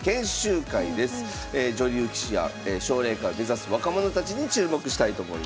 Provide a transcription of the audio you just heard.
女流棋士や奨励会を目指す若者たちに注目したいと思います。